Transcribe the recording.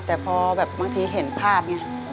แต่พอแบบบางทีเห็นภาพไง